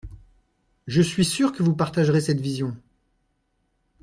Je suis sûr que vous partagerez cette vision.